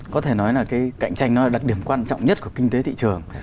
có thể nói là cái cạnh tranh nó là đặc điểm quan trọng nhất của kinh tế thị trường